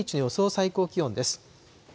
最高気温です。